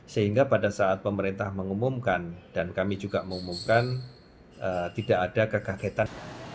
sehingga pada saat pemerintah mengumumkan dan kami juga mengumumkan tidak ada kekagetan